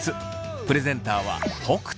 プレゼンターは北斗。